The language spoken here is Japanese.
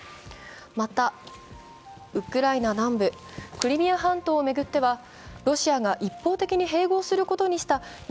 またウクライナ南部クリミア半島を巡ってはロシアが一方的に併合することにした